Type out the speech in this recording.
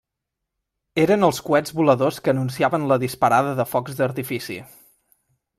Eren els coets voladors que anunciaven la disparada de focs d'artifici.